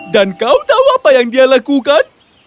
dan kau tahu apa yang dia lakukan